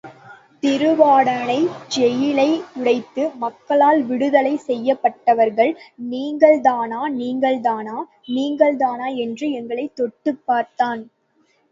திருவாடானை ஜெயிலை உடைத்து மக்களால் விடுதலை செய்யப்பட்டவர்கள் நீங்கள்தானா, நீங்கள்தானா, நீங்கள்தானா என்று எங்களைத் தொட்டுப் பார்த்தான்.